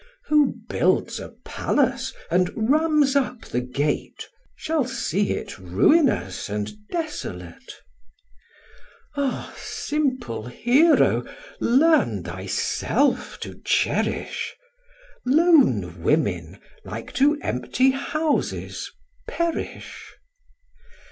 Who builds a palace, and rams up the gate, Shall see it ruinous and desolate: Ah, simple Hero, learn thyself to cherish! Lone women, like to empty houses, perish.